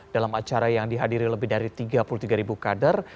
dalam acara yang dihadiri lebih dari tiga puluh tiga kader